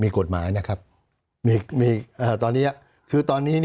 มีกฎหมายนะครับมีตอนนี้คือตอนนี้